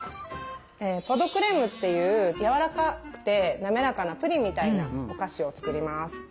「ポ・ド・クレーム」っていうやわらかくて滑らかなプリンみたいなお菓子を作ります。